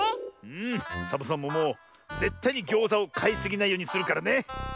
うんサボさんももうぜったいにギョーザをかいすぎないようにするからね！